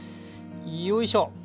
よいしょ。